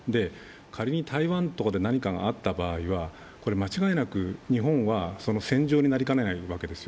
仮に台湾とかで何かあった場合は間違いなく日本は戦場になりかねないわけです。